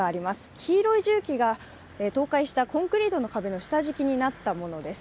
黄色い重機が倒壊したコンクリートの下敷きになったものです。